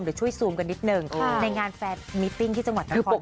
เดี๋ยวช่วยซูมกันนิดหนึ่งในงานแฟนมิตติ้งที่จังหวัดนคร